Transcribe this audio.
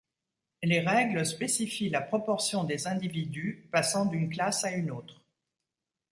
Les règles spécifient la proportion des individus passant d'une classe à une autre.